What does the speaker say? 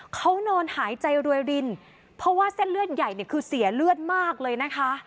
เขานอนหายใจรวยรินเพราะว่าเส้นเลือดใหญ่เนี่ยคือเสียเลือดมากเลยนะคะ